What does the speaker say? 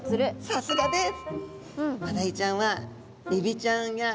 さすがです！